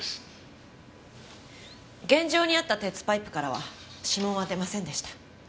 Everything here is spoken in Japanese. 現場にあった鉄パイプからは指紋は出ませんでした。